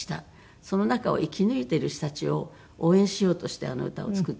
その中を生き抜いている人たちを応援しようとしてあの歌を作った。